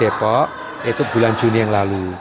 yang pertama di depok itu bulan juni yang lalu